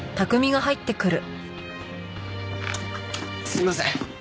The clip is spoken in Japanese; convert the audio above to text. すいません！